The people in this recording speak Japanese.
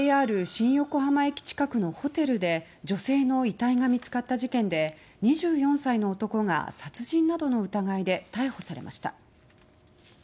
新横浜駅近くのホテルで女性の遺体が見つかった事件で２４歳の男が殺人などの疑いで逮捕されました。